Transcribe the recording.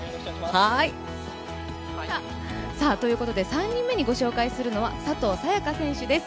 ３人目にご紹介するのは佐藤早也伽選手です。